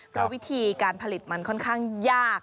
เพราะวิธีการผลิตมันค่อนข้างยาก